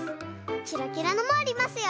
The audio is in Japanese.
キラキラのもありますよ。